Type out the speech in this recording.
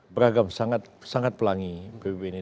beragam sangat pelangi pbb ini